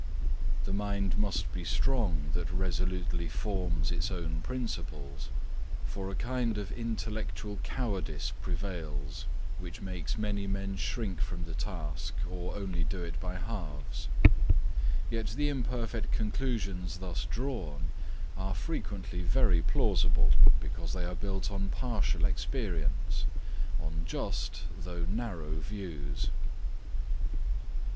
The mind must be strong that resolutely forms its own principles; for a kind of intellectual cowardice prevails which makes many men shrink from the task, or only do it by halves. Yet the imperfect conclusions thus drawn, are frequently very plausible, because they are built on partial experience, on just, though narrow, views.